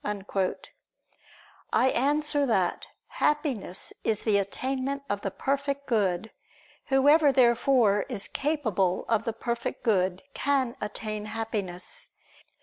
I answer that, Happiness is the attainment of the Perfect Good. Whoever, therefore, is capable of the Perfect Good can attain Happiness.